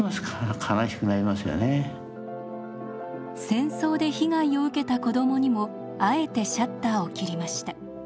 戦争で被害を受けた子どもにもあえてシャッターを切りました。